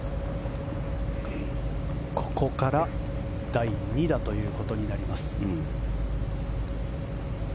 ここから第２打ということになります。